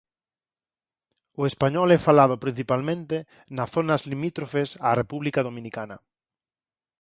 O español é falado principalmente na zonas limítrofes á República Dominicana.